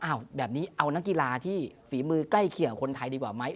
แบบนี้เอานักกีฬาที่ฝีมือใกล้เคียงคนไทยดีกว่าไหม